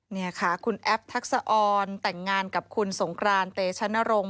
นี่ค่ะคุณแอปทักษะออนแต่งงานกับคุณสงครานเตชนรงค์